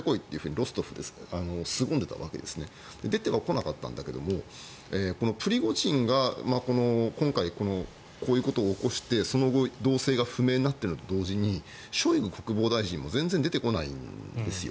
ロストフですごんでいたんだけど出てはこなかったんだけどプリゴジンが今回、こういうことを起こしてその後動静が不明になってると同時にショイグ国防大臣も全然出てこないんですよ。